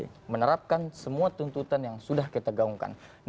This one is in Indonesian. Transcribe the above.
kita menerapkan semua tuntutan yang sudah kita gaungkan